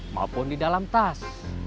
maupun di dalam tas